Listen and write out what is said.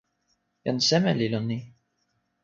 jan seme li lon ni?